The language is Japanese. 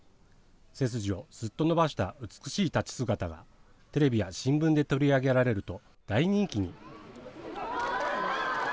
背筋をすっと伸ばした美しい立ち姿がテレビや新聞で取り上げられると大人気に。